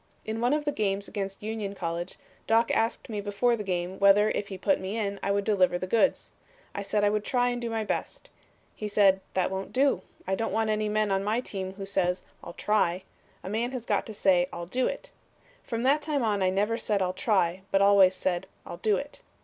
In one of the games against Union College Doc asked me before the game whether if he put me in I would deliver the goods. I said I would try and do my best. He said, 'That won't do. I don't want any man on my team who says, "I'll try." A man has got to say "I'll do it." From that time on I never said, 'I'll try,' but always said 'I'll do it.'